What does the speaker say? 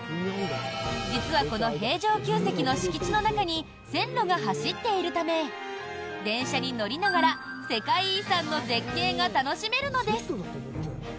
実は、この平城宮跡の敷地の中に線路が走っているため電車に乗りながら世界遺産の絶景が楽しめるのです。